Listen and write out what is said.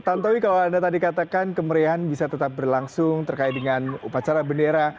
tantowi kalau anda tadi katakan kemeriahan bisa tetap berlangsung terkait dengan upacara bendera